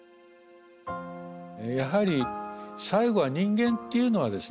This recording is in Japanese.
やはり最後は人間というのはですね